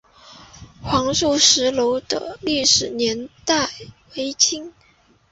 黄素石楼的历史年代为清。